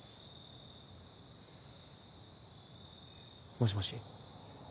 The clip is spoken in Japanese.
もしもし？